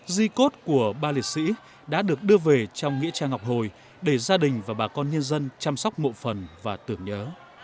di cốt của ba liệt sĩ đã được đưa về trong nghĩa trang ngọc hồi để gia đình và bà con nhân dân chăm sóc mộ phần và tưởng nhớ